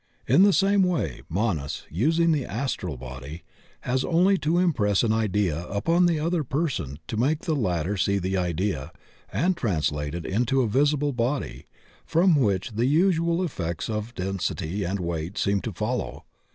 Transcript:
In the same way Manas, using the astral body, has only to impress an idea upon the other person to make the latter see the idea and translate it into a visible body from which the usual effects of density and weight seem to follow.